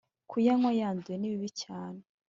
Kuyanywa yanduye nibibi cyane